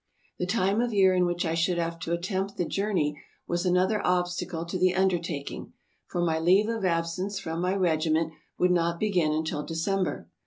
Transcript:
The time of year in which I should have to attempt the journey was another obstacle to the undertaking, for my leave of absence from my regiment would not begin until December.